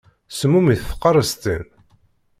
Semmumit tqaṛestin.